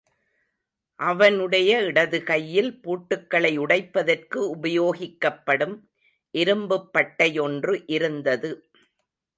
அவனுடைய இடதுகையில் பூட்டுக்களை உடைப்பதற்கு உபயோகிக்கப்படும் இரும்புப் பட்டையொன்று இருந்தது.